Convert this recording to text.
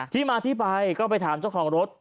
ที่มาที่ไปก็ไปถามเจ้าของรถ